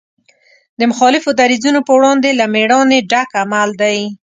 د مخالفو دریځونو په وړاندې له مېړانې ډک عمل دی.